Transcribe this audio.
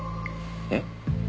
えっ？